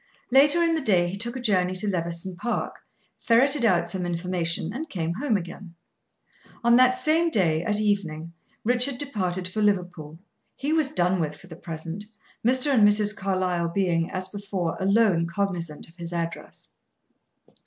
Later in the day he took a journey to Levison Park, ferreted out some information, and came home again. On that same day, at evening, Richard departed for Liverpool he was done with for the present Mr. and Mrs. Carlyle being, as before, alone cognizant of his address.